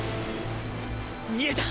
見えた！！